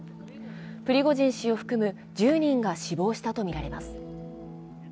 プリゴジン氏を含む１０人が死亡したとみられます。